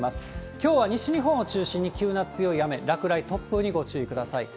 きょうは西日本を中心に急な強い雨、落雷、突風にご注意ください。